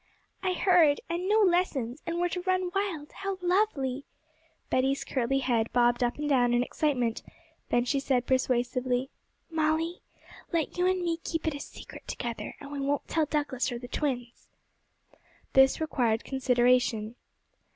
'I heard; and no lessons, and we're to run wild; how lovely!' Betty's curly head bobbed up and down in excitement, then she said persuasively, 'Molly, let you and me keep it a secret together; we won't tell Douglas or the twins.' This required consideration.